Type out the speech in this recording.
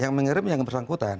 yang mengirim yang bersangkutan